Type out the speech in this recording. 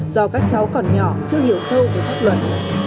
do các cháu còn nhỏ chưa hiểu sâu về pháp luật